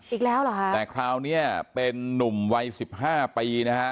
อีกแล้วเหรอฮะแต่คราวเนี้ยเป็นนุ่มวัยสิบห้าปีนะฮะ